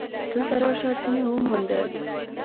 دلته راشه څه مې وموندل.